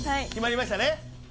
決まりましたね？